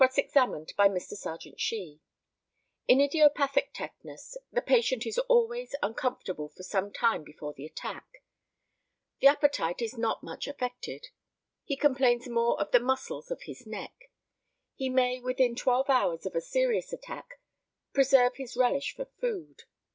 Cross examined by Mr. Serjeant SHEE: In idiopathic tetanus the patient is always uncomfortable for some time before the attack. The appetite is not much affected. He complains more of the muscles of his neck. He may within twelve hours of a serious attack preserve his relish for food.